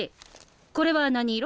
これは何色？